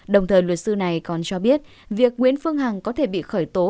đồng thời luật sư này còn cho biết việc nguyễn phương hằng có thể bị khởi tố